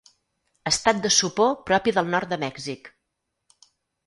Estat de sopor propi del nord de Mèxic.